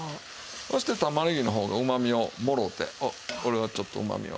そして玉ねぎの方がうまみをもろうてこれはちょっとうまみを。